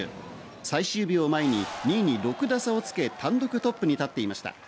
最終日を前に２位に６打差をつけ単独トップに立っていました。